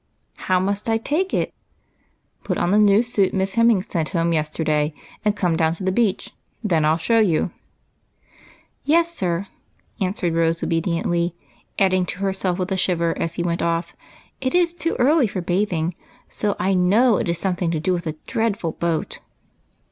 " How must I take it ?"' "Put on the new suit Miss Hemming sent home yesterday, and come down to the beach; then I'll show you." 72 EIGHT COUSINS. "Yes, sir," answered Rose obediently, adding to herself, with a shiver, as he went off :" It is too early for bathing, so I know it is something to do with a dreadful boat."